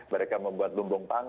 mereka membuat lumbung pangas